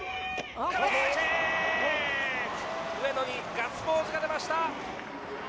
上野にガッツポーズが出ました。